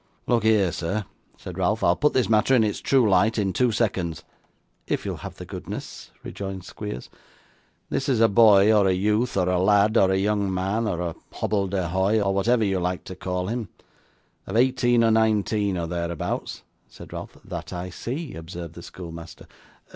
'Look here, sir,' said Ralph; 'I'll put this matter in its true light in two seconds.' 'If you'll have the goodness,' rejoined Squeers. 'This is a boy, or a youth, or a lad, or a young man, or a hobbledehoy, or whatever you like to call him, of eighteen or nineteen, or thereabouts,' said Ralph. 'That I see,' observed the schoolmaster.